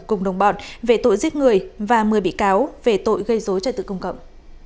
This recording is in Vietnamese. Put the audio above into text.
cùng đồng bọn về tội giết người và một mươi bị cáo về tội gây dối trật tự công cộng